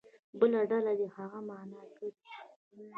بله ډله دې هغه معنا کړي.